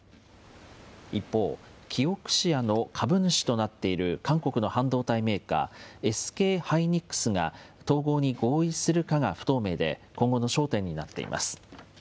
一方、キオクシアの株主となっている韓国の半導体メーカー、ＳＫハイニックスが、統合に合意するかが不透明で、今後の焦点になっています。